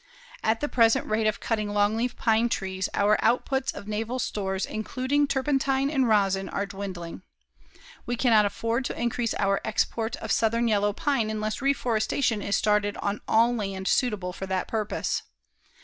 At the present rate of cutting long leaf pine trees, our outputs of naval stores including turpentine and rosin are dwindling. We cannot afford to increase our export of southern yellow pine unless reforestation is started on all land suitable for that purpose.